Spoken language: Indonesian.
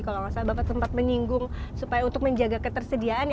kalau enggak salah bapak sempat menyinggung supaya untuk menjaga ketersediaan ya pak ya